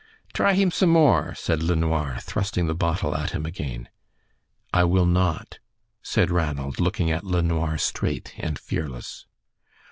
"Try heem some more," said LeNoir, thrusting the bottle at him again. "I will not," said Ranald, looking at LeNoir straight and fearless.